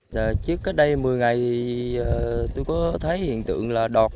là trước cách đây một mươi ngày tôi có thấy hiện tượng là đọt